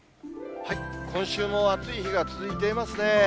今週も暑い日が続いていますね。